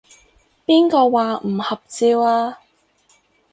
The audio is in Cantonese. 邊個話唔合照啊？